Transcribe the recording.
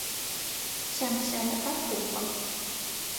Сянэ-сятэхэр хъупхъэх.